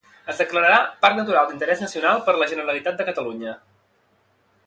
Es declararà Parc Natural d'Interès Nacional per la Generalitat de Catalunya.